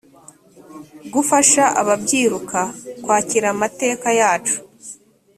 gufasha ababyiruka kwakira amateka yacu